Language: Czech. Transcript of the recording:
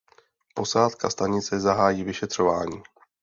Posádka stanice zahájí vyšetřování.